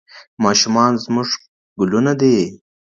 ماشومان زموږ ګلونه دي.